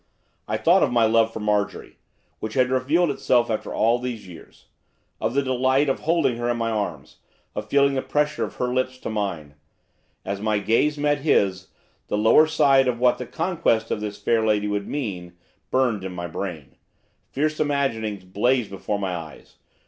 I thought of my love for Marjorie, which had revealed itself after all these years; of the delight of holding her in my arms, of feeling the pressure of her lips to mine. As my gaze met his, the lower side of what the conquest of this fair lady would mean, burned in my brain; fierce imaginings blazed before my eyes.